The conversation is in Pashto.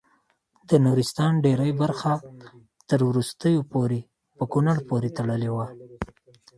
د نورستان ډیره برخه تر وروستیو پورې په کونړ پورې تړلې وه.